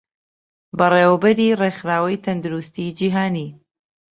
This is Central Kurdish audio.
بەڕێوەبەری ڕێکخراوەی تەندروستیی جیهانی